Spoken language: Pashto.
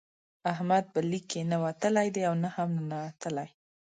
احمد به لیک کې نه وتلی دی او نه هم نتلی.